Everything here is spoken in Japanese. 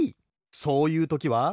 そういうときは。